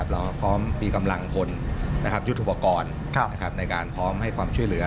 เราพร้อมมีกำลังพลยุทธุปกรณ์ในการพร้อมให้ความช่วยเหลือ